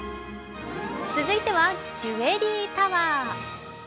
続いてはジュエリー・タワー。